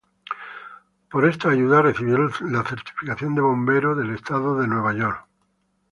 Por esta ayuda, recibió la certificación de Bombero del Estado de New York.